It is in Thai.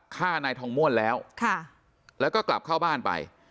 ฆ่านายทองม่วนแล้วแล้วก็กลับเข้าบ้านไป